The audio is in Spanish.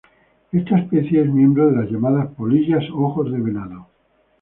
Esta especie es miembro de las llamadas "polillas ojos de venado".